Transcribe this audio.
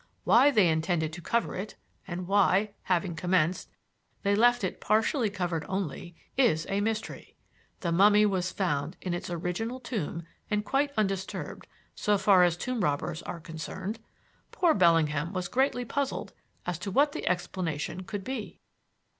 Why they intended to cover it, and why, having commenced, they left it partially covered only, is a mystery. The mummy was found in its original tomb and quite undisturbed, so far as tomb robbers are concerned. Poor Bellingham was greatly puzzled as to what the explanation could be."